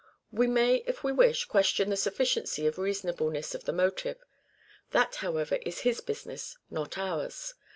We may, Disrepute, if we wish, question the sufficiency or reasonableness of the motive. That, however, is his business, not ours.